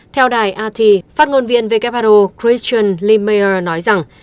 theo đài rt phát ngôn viên vkpado christian limeyer nói rằng